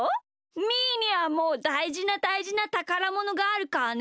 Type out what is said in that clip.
みーにはもうだいじなだいじなたからものがあるからね。